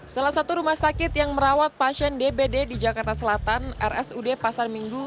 salah satu rumah sakit yang merawat pasien dbd di jakarta selatan rsud pasar minggu